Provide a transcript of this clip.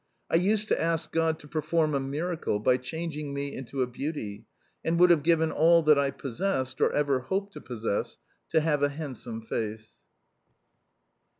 I used to ask God to perform a miracle by changing me into a beauty, and would have given all that I possessed, or ever hoped to possess, to have a handsome face.